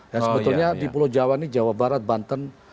dan sebetulnya di pulau jawa ini jawa barat banten